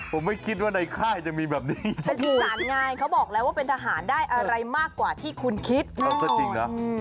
ผมไม่คิดว่าในค่ายจะมีแบบนี้จริง